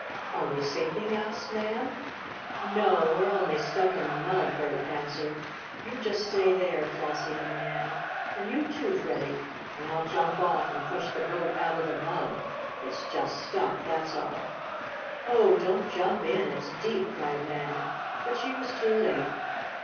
"Are we sinking?" asked Nan. "No, we're only stuck in the mud," Bert answered. "You just stay there, Flossie and Nan, and you, too, Freddie, and I'll jump off and push the boat out of the mud. It's just stuck, that's all." "Oh, don't jump in it's deep!" cried Nan. But she was too late.